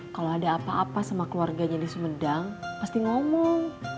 kalau ada apa apa sama keluarganya di sumedang pasti ngomong